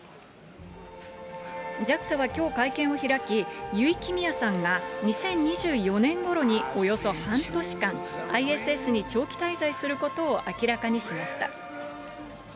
ＪＡＸＡはきょう会見を開き、油井亀美也さんが２０２４年ごろにおよそ半年間、ＩＳＳに長期滞在することを明らかにしました。